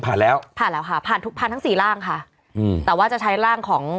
ผ่านแล้วผ่านแล้วค่ะผ่านทุกพันทั้งสี่ร่างค่ะอืมแต่ว่าจะใช้ร่างของ